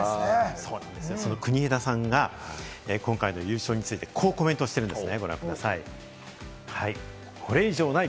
その国枝さんが今回の優勝について、こうコメントしているんです。